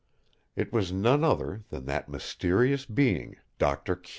It was none other than that mysterious being, Doctor Q.